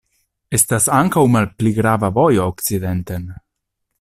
Estas ankaŭ malpli grava vojo okcidenten.